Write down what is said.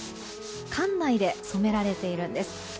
館内で染められているんです。